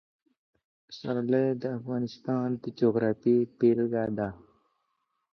پسرلی د افغانستان د جغرافیې بېلګه ده.